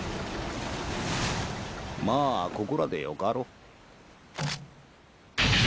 まあここらでよかろう。